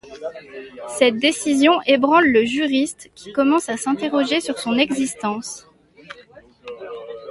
Cette décision ébranle le juriste, qui commence à s'interroger sur son existence.